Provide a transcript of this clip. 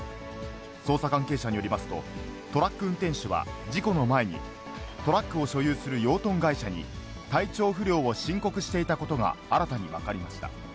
捜査関係者によりますと、トラック運転手は事故の前に、トラックを所有する養豚会社に、体調不良を申告していたことが新たに分かりました。